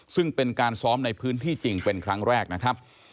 ซึ่งเป็นการซ้อมในพื้นที่จริงเป็นครั้งแรกนะครับ